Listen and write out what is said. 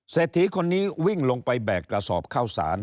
เศรษฐีคนนี้วิ่งลงไปแบกกระสอบข้าวสาร